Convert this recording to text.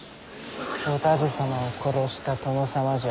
お田鶴様を殺した殿様じゃ。